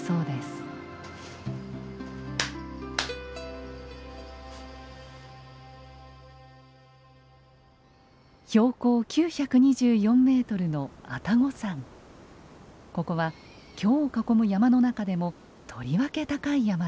ここは京を囲む山の中でもとりわけ高い山です。